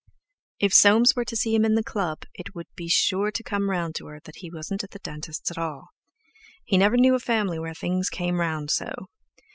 If Soames were to see him in the club it would be sure to come round to her that he wasn't at the dentist's at all. He never knew a family where things "came round" so.